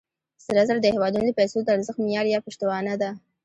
سره زر د هېوادونو د پیسو د ارزښت معیار یا پشتوانه ده.